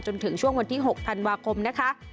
จนถึงช่วงวันที่๖ธันวาคมนะคะ